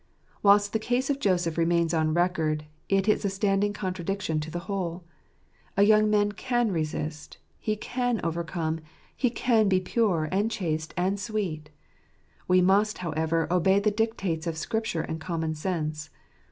Whilst the case of Joseph remains on record, it is a standing contradiction to the whole. A young man can resist ; he can overcome ; he can be pure, and chaste, and sweet. We must, however, obey the dictates of Scripture and common sense.